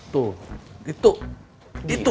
tuh gitu gitu